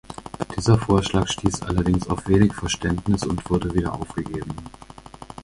Dieser Vorschlag stieß allerdings auf wenig Verständnis und wurde wieder aufgegeben.